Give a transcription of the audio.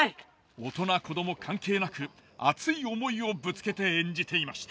大人子ども関係なく熱い思いをぶつけて演じていました。